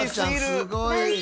すごい。